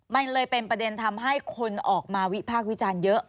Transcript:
มันเลยเป็นประเด็นทำให้คนออกมาวิพากษ์วิจารณ์เยอะ